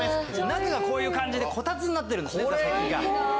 中がこういう感じでこたつになってるんです座席が。